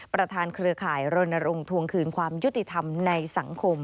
เครือข่ายรณรงค์ทวงคืนความยุติธรรมในสังคม